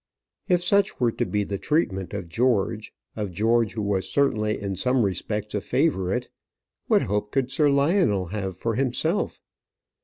If such were to be the treatment of George, of George who was certainly in some respects a favourite, what hope could Sir Lionel have for himself?